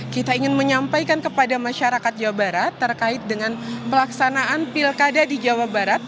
kita ingin menyampaikan kepada masyarakat jawa barat terkait dengan pelaksanaan pilkada di jawa barat